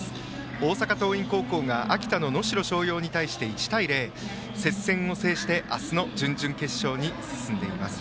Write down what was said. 大阪桐蔭高校が秋田の能代松陽に対して１対０、接戦を制して明日の準々決勝に進んでいます。